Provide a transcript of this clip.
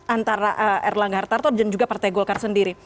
antara erlangga hartarto dan juga partai golkar sendiri